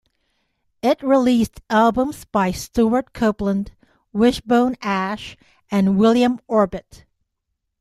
It released albums by Stewart Copeland, Wishbone Ash, and William Orbit.